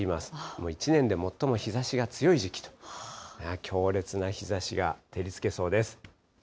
もう一年で最も日ざしが強い時期と、強烈な日ざしが照りつけそうです。